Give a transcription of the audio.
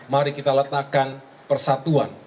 mari kita letakkan persatuan